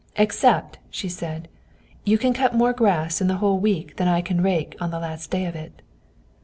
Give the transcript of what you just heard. "Except," she said, "you can cut more grass in the whole week than I can rake in on the last day of it."